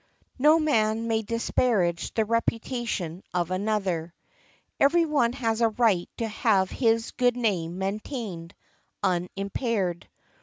No man may disparage the reputation of another. Every one has a right to have his good name maintained, unimpaired.